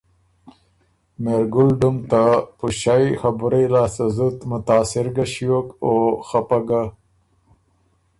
مهرګُل ډُم ته پُݭئ خبُرئ لاسته زُت متاثر ګۀ ݭیوک او خپۀ ګۀ۔